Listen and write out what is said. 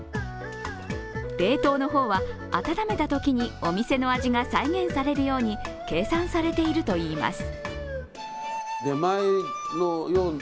冷凍の方は温めたときにお店の味が再現されるように計算されているといいます。